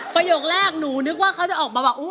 ประโยคแรกหนูนึกว่าเขาจะออกมาว่า